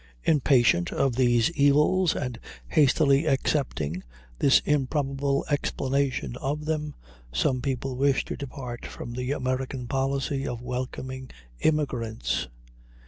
Impatient of these evils, and hastily accepting this improbable explanation of them, some people wish to depart from the American policy of welcoming immigrants.